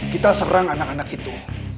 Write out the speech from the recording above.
kita serang anak anak itu